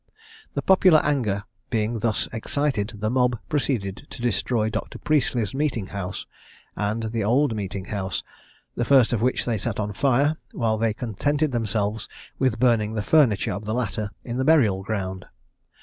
The popular anger being thus excited, the mob proceeded to destroy Dr. Priestley's meeting house, and the old meeting house, the first of which they set on fire, while they contented themselves with burning the furniture of the latter in the burial ground.